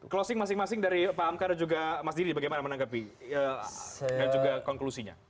closing masing masing dari pak amkar dan juga mas didi bagaimana menanggapi dan juga konklusinya